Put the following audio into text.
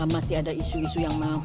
masih ada isu isu yang perlu diatasi